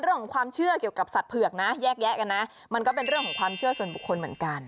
เรื่องของความเชื่อเกี่ยวกับสัตว์เผือกนะแยกแยะกันนะมันก็เป็นเรื่องของความเชื่อส่วนบุคคลเหมือนกัน